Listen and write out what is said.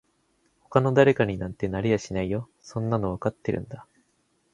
他の誰かになんてなれやしないよそんなのわかってるんだ